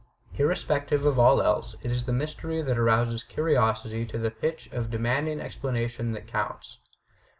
Irrespective of all else, it is the mystery that arouses curiosity to the pitch of demanding explanation that counts.